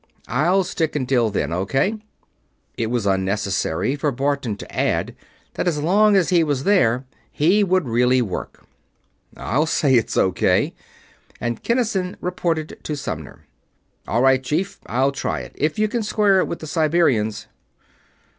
I'll stick until then. O.K.?" It was unnecessary for Barton to add that as long as he was there he would really work. "I'll say it's O.K.!" and Kinnison reported to Sumner. "All right, Chief, I'll try it if you can square it with the Siberians."